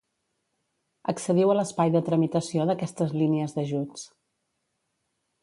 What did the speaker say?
Accediu a l'espai de tramitació d'aquestes línies d'ajuts.